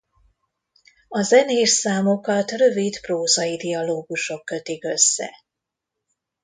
A zenés számokat rövid prózai dialógusok kötik össze.